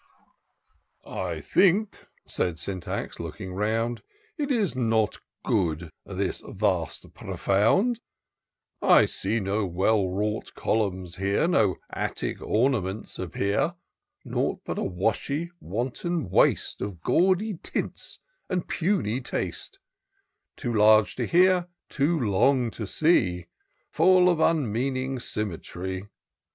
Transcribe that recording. "I think," said Syntax, looking round, " It is not good, this vast profound: I see no well wrought columns here ; No attic ornaments appear ; Nought but a washy, wanton waste Of gaudy tints and puny taste : Too large to hear — too long to see — Full of unmeaning sjrmmetry.